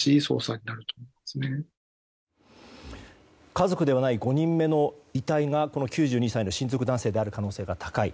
家族ではない５人目の遺体がこの９２歳の親族男性である可能性が高い。